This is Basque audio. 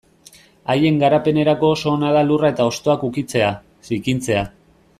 Haien garapenerako oso ona da lurra eta hostoak ukitzea, zikintzea...